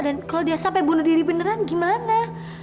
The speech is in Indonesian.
dan kalau dia sampai bunuh diri beneran gimana